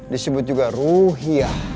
disebut juga ruhiyah